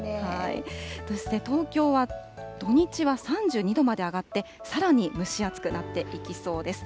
そして東京は、土日は３２度まで上がって、さらに蒸し暑くなっていきそうです。